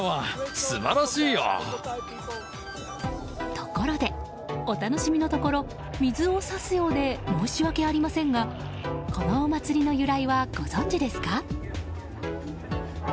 ところで、お楽しみのところ水を差すようで申し訳ありませんがこのお祭りの由来はご存じですか？